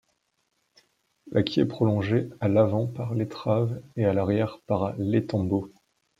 La quille est prolongée à l'avant par l'étrave et à l'arrière par l'étambot.